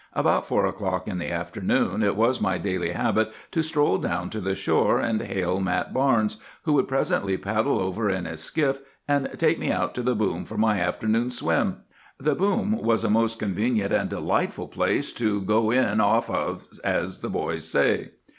About four o'clock in the afternoon, it was my daily habit to stroll down to the shore and hail Mat Barnes, who would presently paddle over in his skiff, and take me out to the boom for my afternoon swim. The boom was a most convenient and delightful place 'to go in off of,' as the boys say.